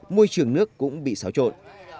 môi trường nước cũng bị xáo trộn